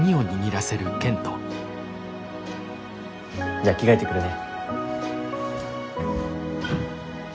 じゃあ着替えてくるね。